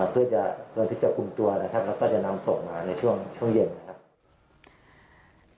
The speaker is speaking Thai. เพื่อที่จะคุมตัวแล้วก็จะนำส่งมาในช่วงเย็น